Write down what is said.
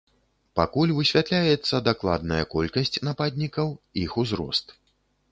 Пакуль высвятляецца дакладная колькасць нападнікаў, іх узрост.